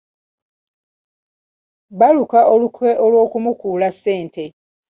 Baaluka olukwe olw'okumukuula ssente.